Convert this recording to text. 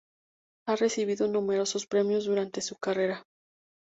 Ha recibido numerosos premios durante su carrera.